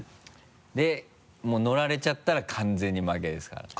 でもう乗られちゃったら完全に負けですからね。